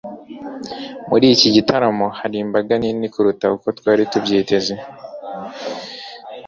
Muri iki gitaramo hari imbaga nini kuruta uko twari tubyiteze